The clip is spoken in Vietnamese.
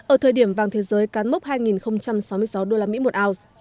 ở thời điểm vàng thế giới cán mốc hai sáu mươi sáu usd một ounce